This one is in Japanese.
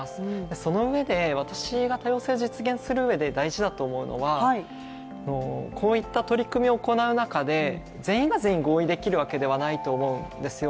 そのうえで私が多様性実現する上で大事だと思うのは、こういった取り組みを行う中で全員が全員合意できるわけではないと思うんですよ。